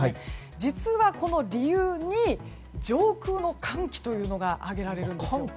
実は、この理由に上空の寒気というのが挙げられるんです。